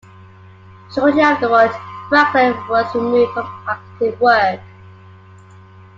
Shortly afterward, Franklin was removed from active work.